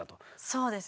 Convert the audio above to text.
そうですね。